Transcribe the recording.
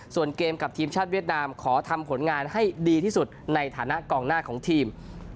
ส่วนเกมกับทีมชาติเวียดนามขอทำผลงานให้ดีที่สุดในฐานะกองหน้าของทีม